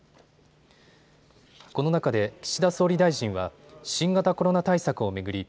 この中で岸田総理大臣は新型コロナ対策を巡り